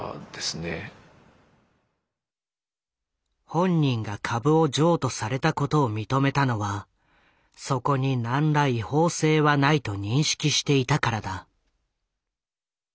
本人が株を譲渡されたことを認めたのはそこに何ら違法性はないと認識していたからだ。